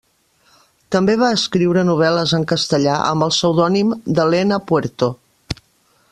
També va escriure novel·les en castellà amb el pseudònim d'Elena Puerto.